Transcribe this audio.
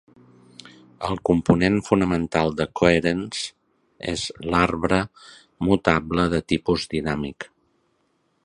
El component fonamental de Coherence és l'arbre mutable de tipus dinàmic.